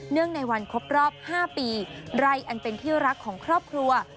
ในวันครบรอบ๕ปีไร่อันเป็นที่รักของครอบครัว